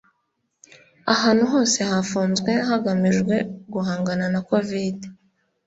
ahantu hose hafunzwe hagamijwe guhangana na covid